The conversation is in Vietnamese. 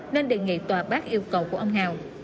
nên đề nghị tòa bác yêu cầu của ông hào